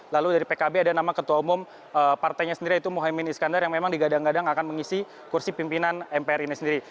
lalu dari pkb ada nama ketua umum partainya sendiri yaitu muhaymin iskandar yang memang digadang gadang akan mengisi kursi pimpinan mpr ini sendiri